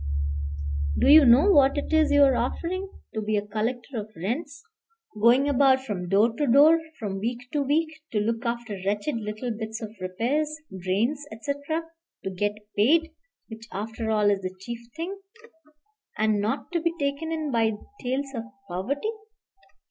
Do you know what it is you are offering? to be a collector of rents, going about from door to door, from week to week; to look after wretched little bits of repairs, drains, etc.; to get paid, which, after all, is the chief thing, and not to be taken in by tales of poverty."